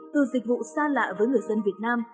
từ dịch vụ xa lạ với người dân việt nam